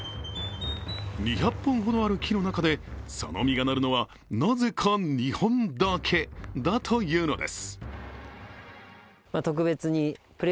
２００本ほどある木の中でその実がなるのはなぜか２本だけだというのです。